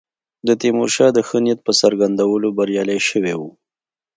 د تیمورشاه د ښه نیت په څرګندولو بریالي شوي وو.